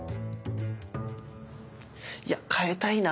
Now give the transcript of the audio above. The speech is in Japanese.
いや変えたいな。